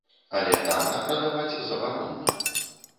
Але танна прадаваць забаронена.